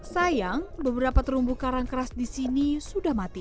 sayang beberapa terumbu karang keras di sini sudah mati